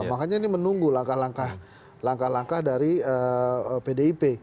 makanya ini menunggu langkah langkah dari pdip